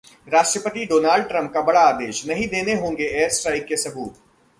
राष्ट्रपति Donald Trump का बड़ा आदेश, नहीं देने होंगे एयर स्ट्राइक के सबूत